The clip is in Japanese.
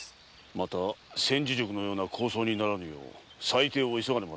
また千住宿のような抗争にならぬよう裁定を急がねば。